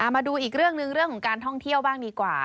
มาดูอีกเรื่องหนึ่งเรื่องของการท่องเที่ยวบ้างดีกว่า